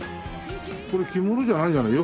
これ着物じゃないんじゃない？